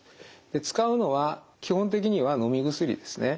使うのは基本的にはのみ薬ですね。